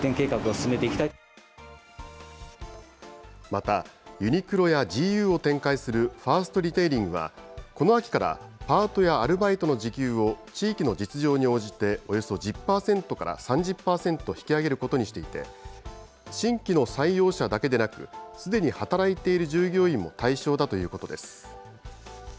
また、ユニクロやＧＵを展開するファーストリテイリングは、この秋からパートやアルバイトの時給を、地域の実情に応じておよそ１０％から３０％引き上げることにしていて、新規の採用者だけでなく、すでに働いている従業員も対象だということです。